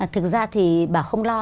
thực ra thì bà không lo